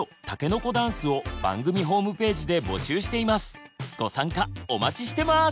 番組ではご参加お待ちしてます！